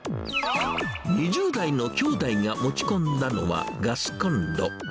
２０代の兄弟が持ち込んだのはガスコンロ。